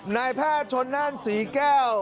นายแพทย์ชนนั่นศรีแก้ว